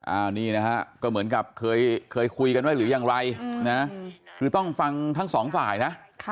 อันนี้นะฮะก็เหมือนกับเคยคุยกันไว้หรือยังไรนะคือต้องฟังทั้งสองฝ่ายนะ